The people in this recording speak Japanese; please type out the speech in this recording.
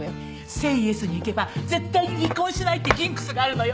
ＳＡＹＹＥＳに行けば絶対に離婚しないってジンクスがあるのよ。